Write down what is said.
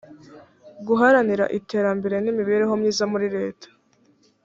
guharanira iterambere n imibereho myiza muri leta